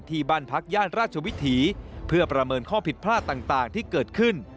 ที่บ้านพักย่านราชวิถีเพื่อประเมินข้อผิดพลาดต่างที่เกิดขึ้น